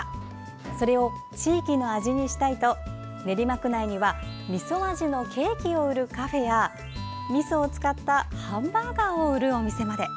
それを地域の味にしたいと練馬区内にはみそ味のケーキを売るカフェやみそを使ったハンバーガーを売るお店まで。